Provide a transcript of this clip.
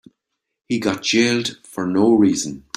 He got jailed for no reason.